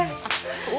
お！